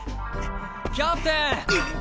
キャプテン！